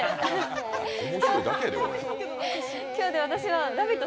今日で私が「ラヴィット！」